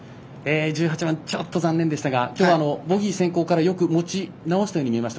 １８番、ちょっと残念でしたが今日はボギー先行からよく持ち直したように見えました。